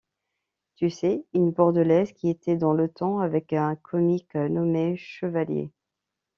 Tu sais, une Bordelaise qui était dans le temps avec un comique nommé Chevalier.